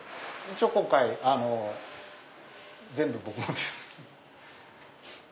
今回全部僕のです。